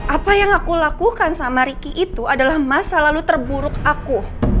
apa yang aku lakukan sama ricky itu adalah masa lalu terburuk aku